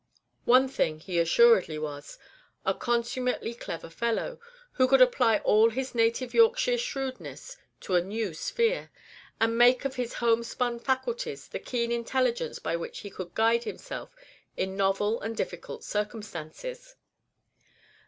One thing he assuredly was, a consummately clever fellow, who could apply all his native Yorkshire shrewdness to a new sphere, and make of his homespun faculties the keen intelligence by which he could guide himself in novel and difficult circumstances.